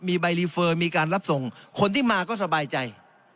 มีใบรีเฟอร์มีการรับส่งคนที่มาก็สบายใจ